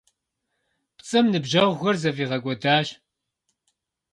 ПцӀым ныбжьэгъухэр зэфӀигъэкӀуэдащ.